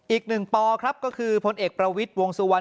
อีกหนึ่งปครับก็คือพลเอกประวิทย์วงสุวรรณ